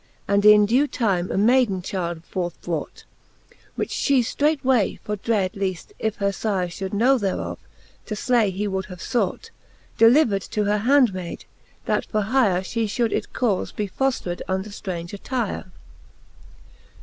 And in dew time a mayden child forth brought ; Which fhe ftreight way for dread, leaft, if her fyre Should know thereof, to flay he would have fought. Delivered to her handmayd, that for hyre She fliould it caufe be foftred under ftraunge attyre.